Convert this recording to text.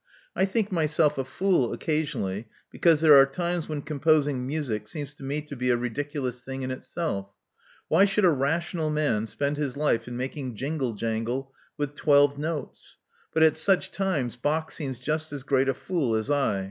I think myself a fool occasionally, because there are times when composing music seems to me to be a ridiculous thing in itself. Why should a rational man spend his life in making jingle jingle with twelve notes? But at such times Bach seems just as great a fool as I.